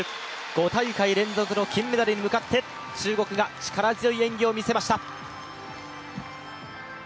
５大会連続の金メダルに向かって中国が力強い演技をみせました。